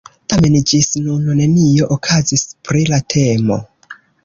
Tamen ĝis nun nenio okazis pri la temo.